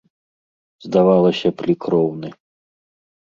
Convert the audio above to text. Здавалася б, лік роўны.